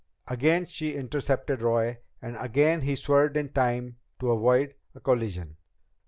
Again she intercepted Roy, and again he swerved in time to avoid a collision.